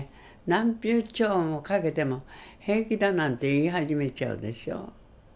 「何十兆もかけても平気だ」なんて言い始めちゃうでしょ。